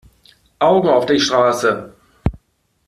Augen auf die Straße!